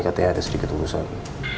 katanya ada sedikit urusan